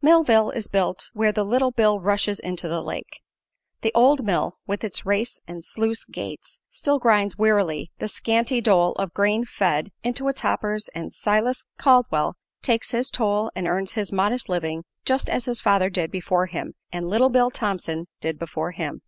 Millville is built where the Little Bill rushes into the lake. The old mill, with its race and sluice gates, still grinds wearily the scanty dole of grain fed into its hoppers and Silas Caldwell takes his toll and earns his modest living just as his father did before him and "Little Bill" Thompson did before him.